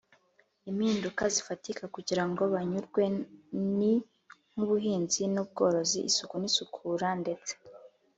Impinduka zifatika kugira ngo banyurwe ni nk ubuhinzi n ubworozi isuku n isukura ndetse